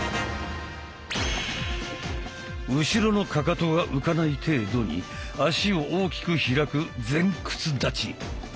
後ろのかかとが浮かない程度に足を大きく開く「前屈立ち」。